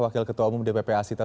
wakil ketua umum dpp asita